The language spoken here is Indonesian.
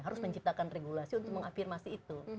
harus menciptakan regulasi untuk mengafirmasi itu